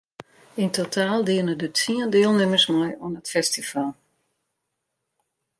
Yn totaal diene der tsien dielnimmers mei oan it festival.